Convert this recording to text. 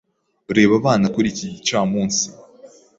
Reba abana kuri iki gicamunsi.